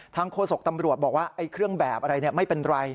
โฆษกตำรวจบอกว่าเครื่องแบบอะไรไม่เป็นไร